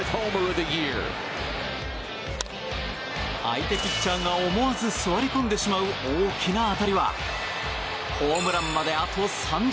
相手ピッチャーが思わず座り込んでしまう大きな当たりはホームランまであと３０ｃｍ。